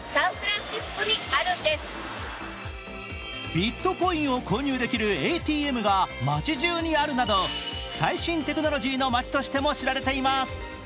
ビットコインを購入できるＡＴＭが街じゅうにあるなど最新テクノロジーの街としても知られています。